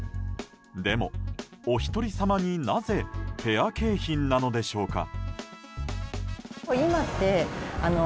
でも、おひとり様になぜペア景品なのでしょうか。